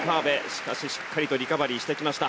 しかししっかりとリカバリーしてきました。